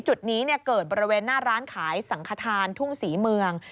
จุดนี้เกิดบริเวณหน้าร้านขายสังขทานทุ่งศรีเมือง